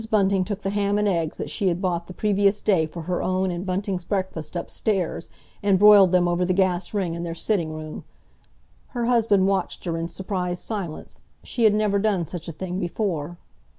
Bunting took the ham and eggs that she had bought the previous day for her own and Bunting's breakfast upstairs, and broiled them over the gas ring in their sitting room. Her husband watched her in surprised silence. She had never done such a thing before.